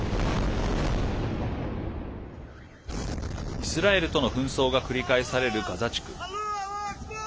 イスラエルとの紛争が繰り返されるガザ地区。